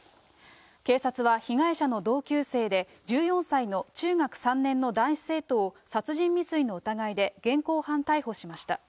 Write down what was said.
警察は被害者の同級生で１４歳の中学３年の男子生徒を殺人未遂の疑いで現行犯逮捕しました。